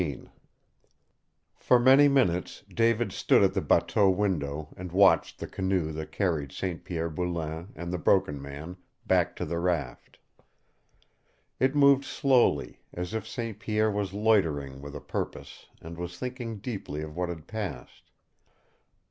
XVII For many minutes David stood at the bateau window and watched the canoe that carried St. Pierre Boulain and the Broken Man back to the raft. It moved slowly, as if St. Pierre was loitering with a purpose and was thinking deeply of what had passed.